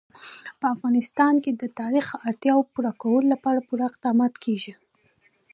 په افغانستان کې د تاریخ د اړتیاوو پوره کولو لپاره پوره اقدامات کېږي.